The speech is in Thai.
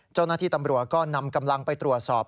เจ้าหน้าที่ตำรวจก็นำกำลังไปตรวจสอบ